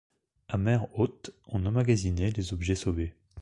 À mer haute, on emmagasinait les objets sauvés